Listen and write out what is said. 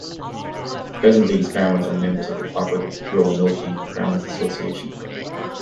Presently, its farmers are members of the cooperative Roanoke Farmers Association.